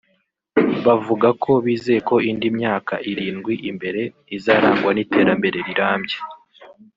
bavuga ko bizeye ko indi myaka irindwi imbere izarangwa n’iterambere rirambye